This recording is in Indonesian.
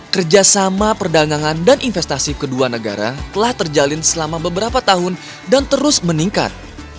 kerjasama perdagangan dan investasi kedua negara telah terjalin selama beberapa tahun dan terus meningkat